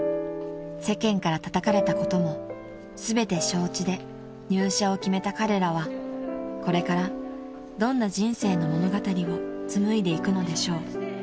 ［世間からたたかれたことも全て承知で入社を決めた彼らはこれからどんな人生の物語を紡いでいくのでしょう］